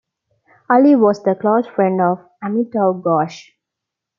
Ali was the close friend of Amitav Ghosh.